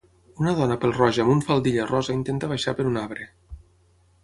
Una dona pèl-roja amb un faldilla rosa intenta baixar per un arbre.